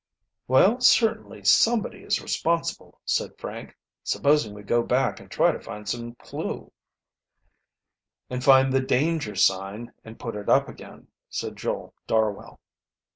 "Well, certainly somebody is responsible," said Frank. "Supposing we go back and try to find some clew?" "And find the danger sign and put it up again," said Joel Darwell.